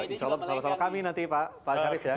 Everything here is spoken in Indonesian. insya allah bersama sama kami nanti pak syarif ya